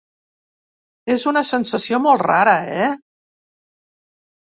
És una sensació molt rara eh?